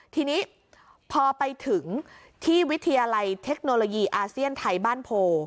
ทีนี้พอไปถึงที่วิทยาลัยเทคโนโลยีอาเซียนไทยบ้านโพ